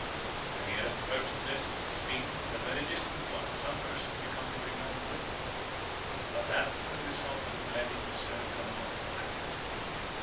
"The nearest approach to this has been the very distant one of some person becoming a renowned wizard; but that has only resulted in levying a certain amount of blackmail."